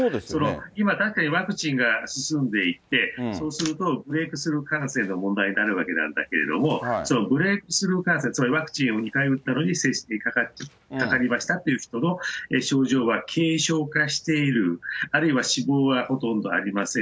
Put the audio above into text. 今確かにワクチンが進んでいて、そうすると、ブレークスルー感染が問題になるんだけれども、そのブレークスルー感染、つまりワクチンを２回打ったのに、かかりましたっていう人の症状は、軽症化している、あるいは死亡はほとんどありません。